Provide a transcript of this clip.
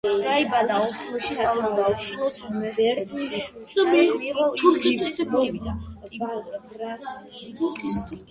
დაიბადა ოსლოში, სწავლობდა ოსლოს უნივერსიტეტში სადაც მიიღო იურისტის დიპლომი.